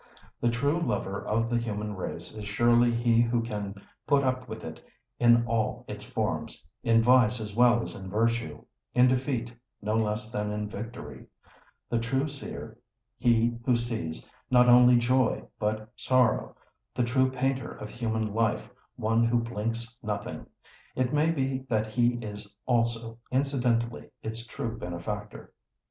The true lover of the human race is surely he who can put up with it in all its forms, in vice as well as in virtue, in defeat no less than in victory; the true seer he who sees not only joy but sorrow, the true painter of human life one who blinks nothing. It may be that he is also, incidentally, its true benefactor.